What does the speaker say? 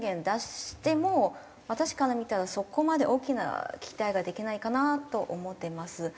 私から見たらそこまで大きな期待ができないかなと思っています。